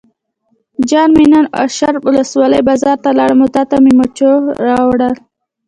جان مې نن واشر ولسوالۍ بازار ته لاړم او تاته مې مچو راوړل.